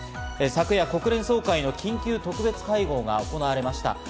昨夜、国連総会の緊急特別会合が行われました。